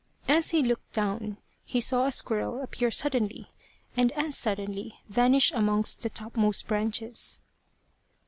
As he looked down, he saw a squirrel appear suddenly, and as suddenly vanish amongst the topmost branches.